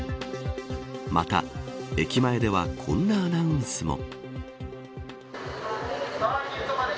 また駅前ではこんなアナウンスも。